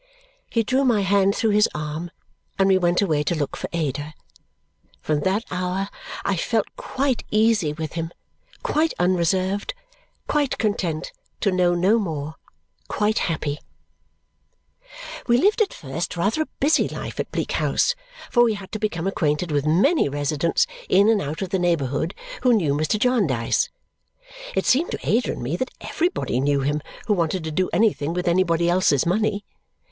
He drew my hand through his arm and we went away to look for Ada. From that hour I felt quite easy with him, quite unreserved, quite content to know no more, quite happy. We lived, at first, rather a busy life at Bleak House, for we had to become acquainted with many residents in and out of the neighbourhood who knew Mr. Jarndyce. It seemed to Ada and me that everybody knew him who wanted to do anything with anybody else's money.